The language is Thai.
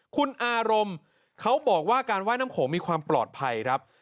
คุณอารมณ์เขาบอกว่าการว่ายน้ำโขงมีความปลอดภัยครับ